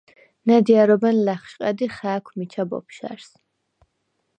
ნა̈დიარობენ ლა̈ხშყა̈დ ი ხა̄̈ქვ მიჩა ბოფშა̈რს: